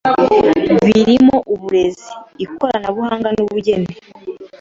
birimo uburezi, ikoranabuhanga n' ubugeni